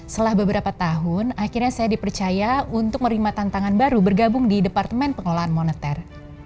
setelah beberapa tahun akhirnya saya dipercaya untuk merima tantangan baru bergabung di departemen pengelolaan moneter